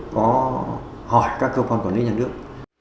có hỏi các cơ quan quản lý nhân lượng